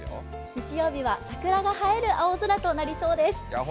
日曜日は桜が映える青空となりそうです。